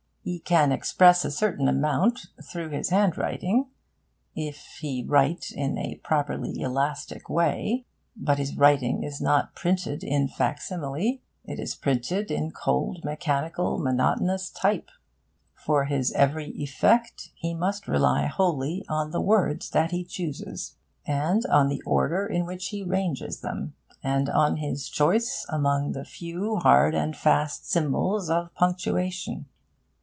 He can express a certain amount through his handwriting, if he write in a properly elastic way. But his writing is not printed in facsimile. It is printed in cold, mechanical, monotonous type. For his every effect he must rely wholly on the words that he chooses, and on the order in which he ranges them, and on his choice among the few hard and fast symbols of punctuation.